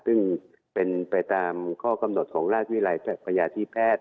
ซึ่งเป็นไปตามข้อกำหนดของราชวิรัยพยาธิแพทย์